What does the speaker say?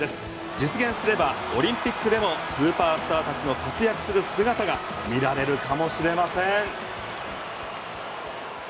実現すればオリンピックでもスーパースターたちの活躍する姿が見られるかもしれません。